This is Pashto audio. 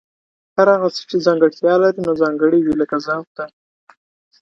هر هغه څه چي ځانګړتیا لري نو ځانګړي وي لکه زه او ته